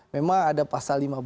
memang ada pasal lima belas